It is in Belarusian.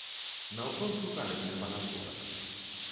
Наўпрост у карэтны панадворак.